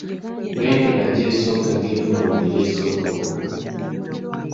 Bwentyo nagyesogga ng'effumu bwe lyesogga omugogo.